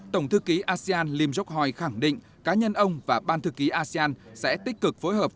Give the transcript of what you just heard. tổng thư ký asean lim jokhoi khẳng định cá nhân ông và ban thư ký asean sẽ tích cực phối hợp